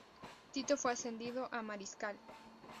Tito fue ascendido a mariscal.